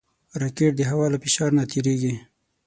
راکټ د هوا له فشار نه تېریږي